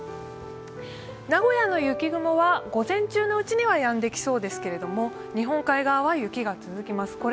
名古屋の雪雲は午前中のうちにはやんできそうですが日本海側は雪が続きます。